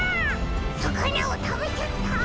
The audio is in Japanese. さかなをたべちゃった！